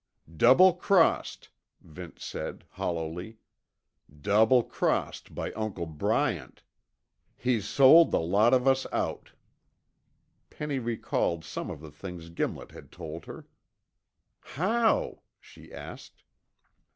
"Double crossed," Vince said hollowly. "Double crossed by Uncle Bryant. He's sold the lot of us out." Penny recalled some of the things Gimlet had told her. "How?" she asked.